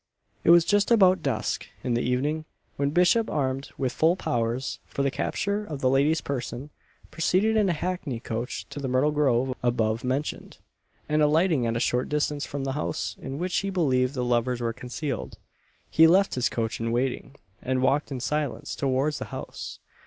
It was just about dusk, in the evening, when Bishop, armed with full powers for the capture of the lady's person, proceeded in a hackney coach to the Myrtle Grove above mentioned, and alighting at a short distance from the house in which he believed the lovers were concealed, he left his coach in waiting, and walked in silence towards the house.